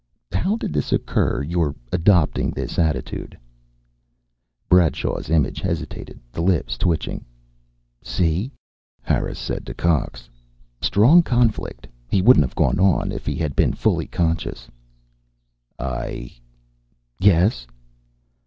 "How did this occur, your adopting this attitude?" Bradshaw's image hesitated, the lips twisting. "See?" Harris said to Cox. "Strong conflict. He wouldn't have gone on, if he had been fully conscious." "I " "Yes?"